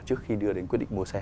trước khi đưa đến quyết định mua xe